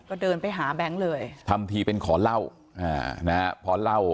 ก็เดินไปหาแบงค์เลยทำทีเป็นขอเล่านะครับ